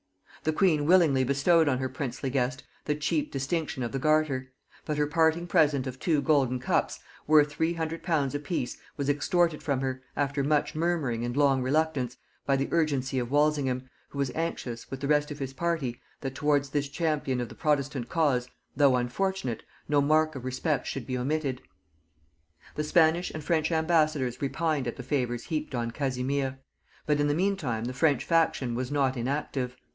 The queen willingly bestowed on her princely guest the cheap distinction of the garter; but her parting present of two golden cups, worth three hundred pounds a piece, was extorted from her, after much murmuring and long reluctance, by the urgency of Walsingham, who was anxious, with the rest of his party, that towards this champion of the protestant cause, though unfortunate, no mark of respect should be omitted. The Spanish and French ambassadors repined at the favors heaped on Casimir; but in the mean time the French faction was not inactive.